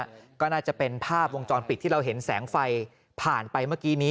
ก็น่าจะเป็นภาพวงจรปิดที่เราเห็นแสงไฟผ่านไปเมื่อกี้นี้